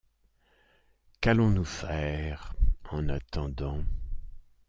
Qu'allons-nous faire en attendant ?